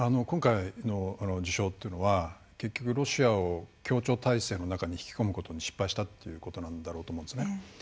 今回の事象というのは結局ロシアを協調体制の中に引き込むことに失敗したということなんだろうと思うんですね。